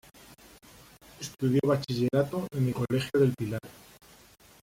Estudió bachillerato en el colegio del Pilar.